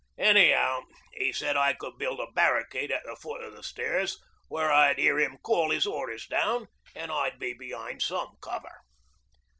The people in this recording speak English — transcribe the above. Anyhow, 'e said I could build a barricade at the foot o' the stairs, where I'd hear him call 'is orders down, an' I'd be behind some cover.